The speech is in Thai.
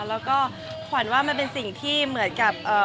แล้วก็ขวัญว่ามันเป็นสิ่งที่เหมือนกับ